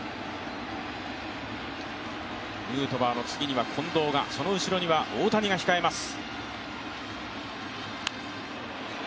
ヌートバーの次には近藤が、その後ろには大谷が控えます。